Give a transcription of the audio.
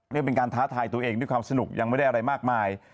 เรียกเป็นการท้าทายตัวเองด้วยความสนุกยังไม่ได้อะไรมากมาย